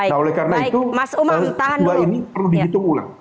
nah oleh karena itu sebuah ini perlu dihitung ulang